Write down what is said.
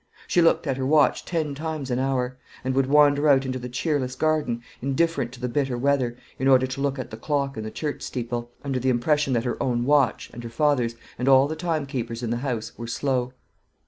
She looked at her watch ten times an hour, and would wander out into the cheerless garden, indifferent to the bitter weather, in order to look at the clock in the church steeple, under the impression that her own watch, and her father's, and all the time keepers in the house, were slow.